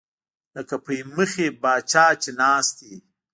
لکه پۍ مخی پاچا چې ناست وي